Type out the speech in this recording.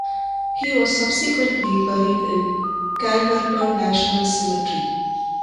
He was subsequently buried in Calverton National Cemetery.